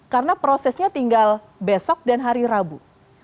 karena prosesnya tinggal besok dan hari rabu